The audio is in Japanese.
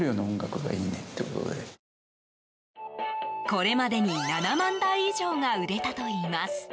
これまでに７万台以上が売れたといいます。